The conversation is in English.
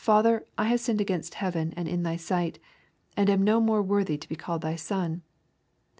Father, I have sinned against heaven and in thy sight, and am no more worthy to be called thy son.